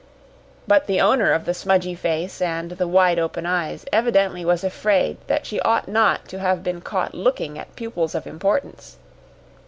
But the owner of the smudgy face and the wide open eyes evidently was afraid that she ought not to have been caught looking at pupils of importance.